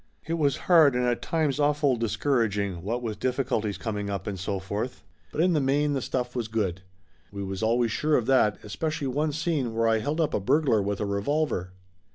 It was hard, and at times awful discouraging, what with difficulties coming up and so forth. But in the main the stuff was good. We was always sure of that, especially one scene where I held up a burglar with a revolver.